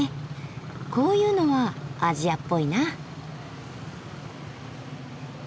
こういうのはアジアっぽいな。